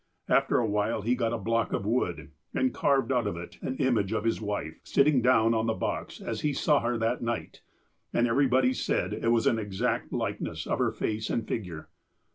*' After a while he got a block of wood, and carved out of it an image of his wife, sitting down on the box as he saw her that night, and everybody said it was an exact likeness of her face and figure.